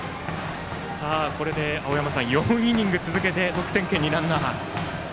これで青山さん４イニング続けて得点圏にランナーです。